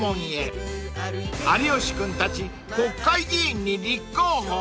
［有吉君たち国会議員に立候補！？］